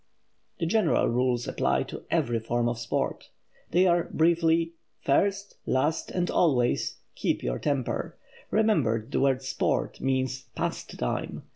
The general rules apply to every form of sport. They are, briefly: First, last and always—keep your temper! Remember the word "sport" means "pastime."